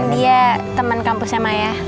dia temen kampusnya maya